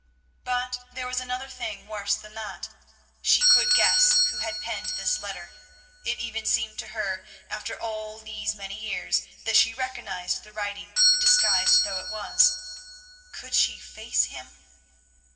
But there was another thing worse than that. She could guess who had penned this letter; it even seemed to her, after all these many years, that she recognised the writing, disguised though it was. Could she face him!